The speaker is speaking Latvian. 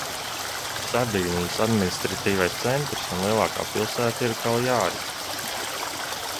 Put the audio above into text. Sardīnijas administratīvais centrs un lielākā pilsēta ir Kaljāri.